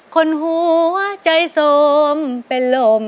คนหัวใจโสมเป็นลม